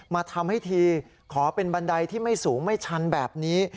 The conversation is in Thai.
มาทำให้ทีขอเป็นบันไดที่ไม่สูงไม่ชันแบบนี้